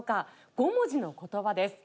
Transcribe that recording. ５文字の言葉です。